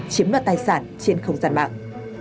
chiếm đoạt tài sản trên không gian mạng